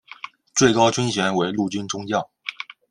最高军衔为陆军中将。